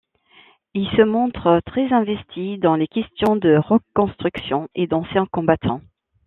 Il se montre très investi dans les questions de reconstruction et d'anciens combattants.